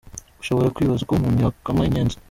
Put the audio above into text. Ushobora kwibaza uko umuntu yakama inyenzi.